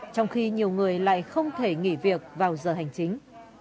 trong khi nhiều người lại không thể nghỉ việc vào giờ hành chính